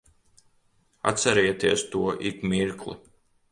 Atcerieties to ik mirkli.